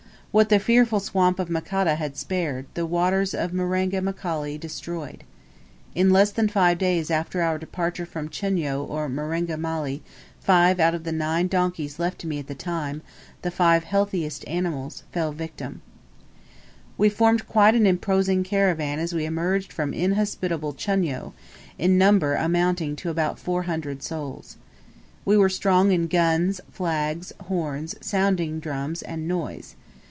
What the fearful swamp of Makata had spared, the waters of Marenga Mkali destroyed. In less than five days after our departure from Chunyo or Marenga Mali, five out of the nine donkeys left to me at the time the five healthiest animals fell victims. We formed quite an imposing caravan as we emerged from inhospitable Chunyo, in number amounting to about four hundred souls. We were strong in guns, flags, horns, sounding drums and noise.